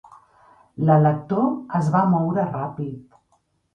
L'elector es va moure ràpid.